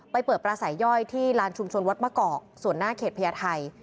ไปเปิดปลาสายย่อยที่ลานชุมชนวัดมะกอกส่วนหน้าเขตพญาไทย